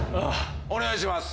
お願いします